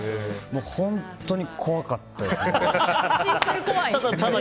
本当に怖かったですね。